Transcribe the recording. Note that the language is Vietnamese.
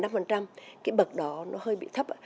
cái bậc đó nó hơi bị thấp ạ